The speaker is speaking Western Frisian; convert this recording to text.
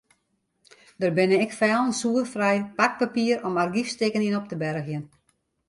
Der binne ek fellen soerfrij pakpapier om argyfstikken yn op te bergjen.